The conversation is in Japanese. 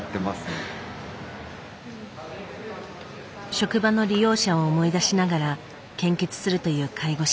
職場の利用者を思い出しながら献血するという介護士。